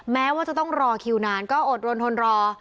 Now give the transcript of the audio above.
แม้ว่าจะต้องรอคิวนานก็อดรนทนรอ